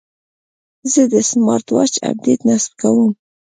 زه د سمارټ واچ اپډیټ نصب کوم.